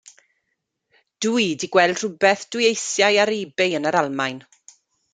Dw i 'di gweld rhywbeth dw i eisiau ar ebay yn yr Almaen.